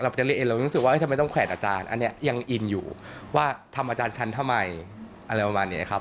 จะเรียกเองเรารู้สึกว่าทำไมต้องแขวนอาจารย์อันนี้ยังอินอยู่ว่าทำอาจารย์ฉันทำไมอะไรประมาณนี้ครับ